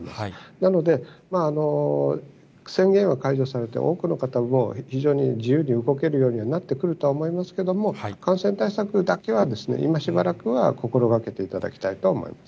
なので、宣言は解除されて、多くの方も非常に自由に動けるようにはなってくると思いますけれども、感染対策だけは、今しばらくは心がけていただきたいと思います。